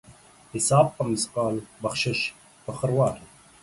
حساب په مثقال ، بخشش په خروار.